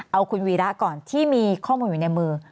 เอาคุณวีระก่อนที่มีข้อมูลอยู่ในมือ